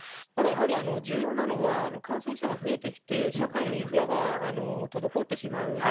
ただ重要なのは感染者が増えてきて社会のインフラが滞ってしまう。